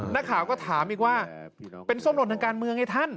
นักข่าวก็ถามอีกว่าเป็นส้มหล่นทางการเมืองไอ้ท่าน